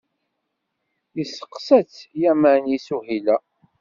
Testeqqsa-tt Yamani Suhila.